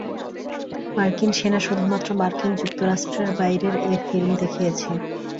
মার্কিন সেনা শুধুমাত্র মার্কিন যুক্তরাষ্ট্রের বাইরের এ ফিল্ম দেখিয়েছে।